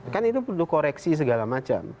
kan itu perlu koreksi segala macam